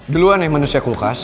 beluan nih manusia kulkas